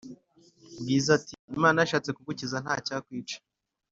bwiza ati"imana yashatse kugukiza ntacyakwica"